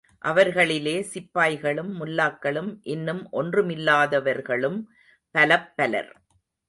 அவர்களிலே, சிப்பாய்களும், முல்லாக்களும், இன்னும் ஒன்றுமில்லாதவர்களும் பலப்பலர்.